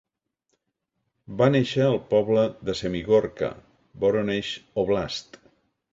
Va néixer al poble de Semigorka, Voronesh Oblast.